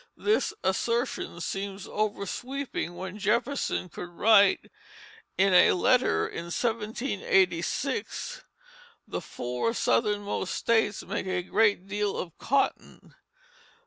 This assertion seems oversweeping when Jefferson could write in a letter in 1786: "The four southermost States make a great deal of cotton.